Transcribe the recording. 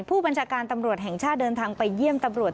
ผู้บัญชาการตำรวจแห่งชาติเดินทางไปเยี่ยมตำรวจ